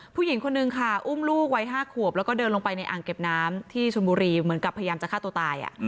ผู้หญิงคนนึงค่ะอุ้มลูกวัย๕ขวบแล้วก็เดินลงไปในอ่างเก็บน้ำที่ชนบุรีเหมือนกับพยายามจะฆ่าตัวตาย